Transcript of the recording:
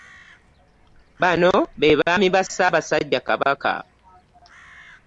Bano be baami ba Ssaabasajja Kabaka